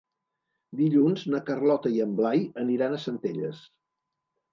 Dilluns na Carlota i en Blai aniran a Centelles.